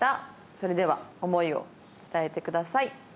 それでは思いを伝えてください。